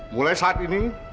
mulai saat ini